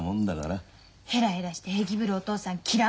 ヘラヘラして平気ぶるお父さん嫌い！